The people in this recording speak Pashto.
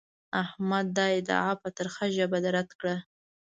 احمد دا ادعا په ترخه ژبه رد کړه.